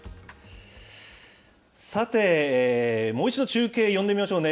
さて、もう一度中継、呼んでみましょうね。